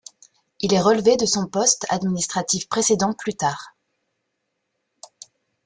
Il est relevé de son poste administratif précédent plus tard.